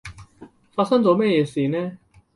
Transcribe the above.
發生咗咩野事呢？